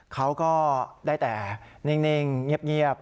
เขาก็ได้แต่นิ่งเงียบ